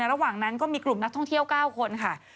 ระหว่างนั้นก็มีกลุ่มนักท่องเที่ยว๙คนค่ะ